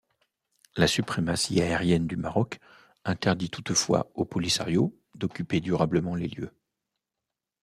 La suprématie aérienne du Maroc interdit toutefois au Polisario d'occuper durablement les lieux.